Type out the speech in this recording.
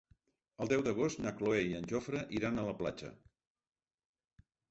El deu d'agost na Cloè i en Jofre iran a la platja.